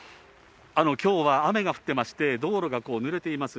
きょうは雨が降ってまして、道路がこう、ぬれています。